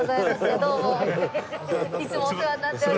いつもお世話になっております。